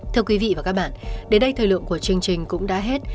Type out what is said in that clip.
thưa quý vị và các bạn đến đây thời lượng của chương trình cũng đã hết